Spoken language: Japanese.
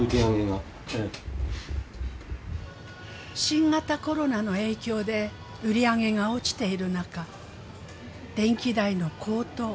新型コロナの影響で売り上げが落ちている中電気代の高騰